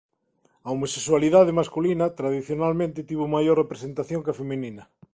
A homosexualidade masculina tradicionalmente tivo maior representación que a feminina.